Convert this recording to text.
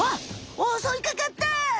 おそいかかった！